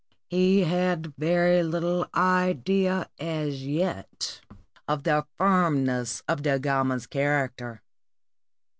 He had very little idea as yet of the firmness of Da Gama's character.